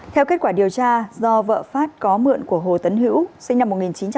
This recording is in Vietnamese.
theo kết quả điều tra do vợ phát có mượn của hồ tấn hữu sinh năm một nghìn chín trăm tám mươi